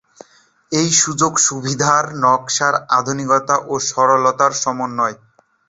এই সুযোগ-সুবিধার নকশা আধুনিকতা ও সরলতার সমন্বয়।